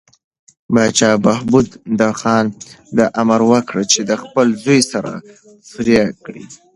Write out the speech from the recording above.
پاچا بهبود خان ته امر وکړ چې د خپل زوی سر پرې کړي.